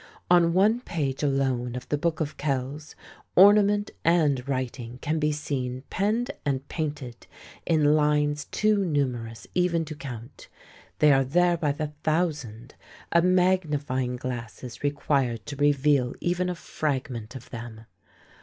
On one page alone of the Book of Kells, ornament and writing can be seen penned and painted in lines too numerous even to count. They are there by the thousand: a magnifying glass is required to reveal even a fragment of them.